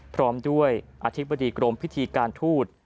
พร้อมด้วยอธิบดีกรมพิธีการทูต